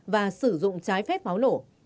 và sử dụng trái phép pháo nổ